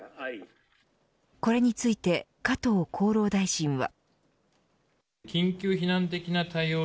これについて加藤厚労大臣は。